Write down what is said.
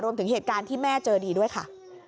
เหตุการณ์ที่แม่เจอดีด้วยค่ะ